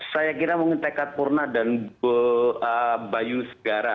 saya kira mungkin tekad purna dan bayu segara